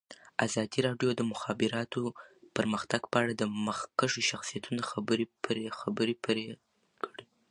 ازادي راډیو د د مخابراتو پرمختګ په اړه د مخکښو شخصیتونو خبرې خپرې کړي.